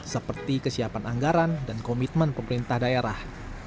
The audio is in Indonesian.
seperti kesiapan anggaran dan komitmen pemerintah daerah